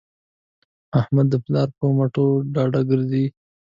احمد د پلار په مټو ډاډه ګرځي.